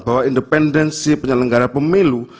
bahwa independensi penyelenggara pemilu